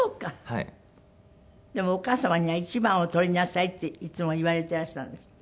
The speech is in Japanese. でもお母様には「１番を取りなさい」っていつも言われていらしたんですって？